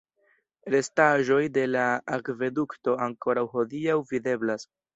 Restaĵoj de la akvedukto ankoraŭ hodiaŭ videblas.